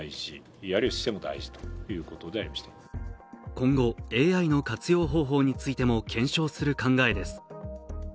今後、ＡＩの活用方法についても検証する考えです。